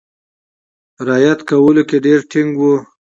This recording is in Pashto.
رعایت کولو کې ډېر ټینګ وو.